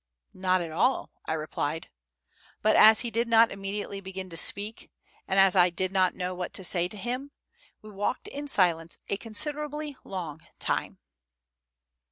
"Not at all," I replied; but as he did not immediately begin to speak, and as I did not know what to say to him, we walked in silence a considerably long time.